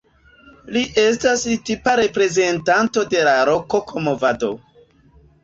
Li estas tipa reprezentanto de la rokoko-movado.